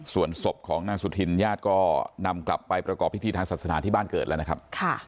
ส่วนศพของนางสุธินญาติก็นำกลับไปประกอบพิธีทางศาสนาที่บ้านเกิดแล้วนะครับ